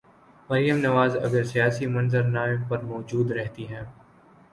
مریم نواز اگر سیاسی منظر نامے پر موجود رہتی ہیں۔